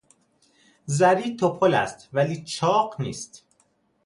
زری تپل است ولی چاق نیست.